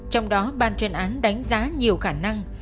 trong đó ban chuyên án đánh giá nhiều khả năng